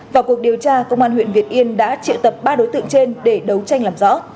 vào cuộc điều tra công an huyện việt yên đã triệu tập ba đối tượng trên để đấu tranh làm rõ